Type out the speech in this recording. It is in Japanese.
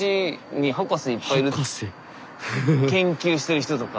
研究してる人とか。